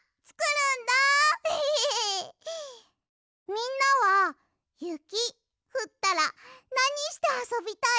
みんなはゆきふったらなにしてあそびたい？